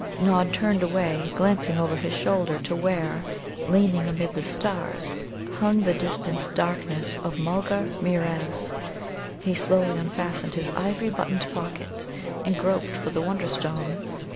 Nod turned away, glancing over his shoulder to where, leaning amid the stars, hung the distant darkness of Mulgarmeerez. He slowly unfastened his ivory buttoned pocket and groped for the Wonderstone.